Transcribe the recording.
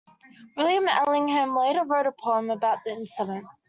William Allingham later wrote a poem about the incident.